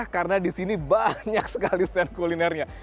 karena di sini banyak sekali stand kulinernya